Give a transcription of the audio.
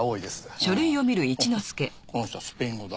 ほうこの人はスペイン語だ。